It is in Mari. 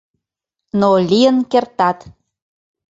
Но лийын кертат.